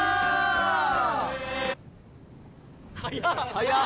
早っ！